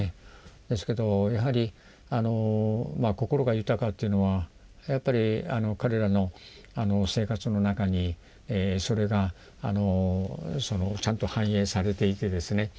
ですけどやはり心が豊かというのはやっぱり彼らの生活の中にそれがちゃんと反映されていてですね